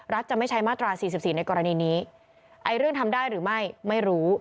จะไม่ใช้มาตรา๔๔ในกรณีนี้ไอ้เรื่องทำได้หรือไม่ไม่รู้